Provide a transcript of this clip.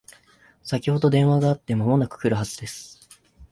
先ほど電話があって間もなく来るはずです